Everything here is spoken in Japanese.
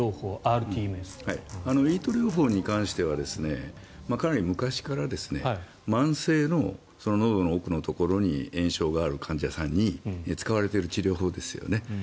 ＥＡＴ療法に関してはかなり昔から慢性の、のどの奥のところに炎症がある患者さんに使われている治療法ですよね。